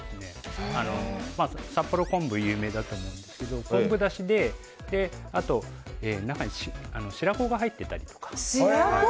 札幌は昆布が有名だと思うんですけど昆布だしで中に白子が入ってたりとか。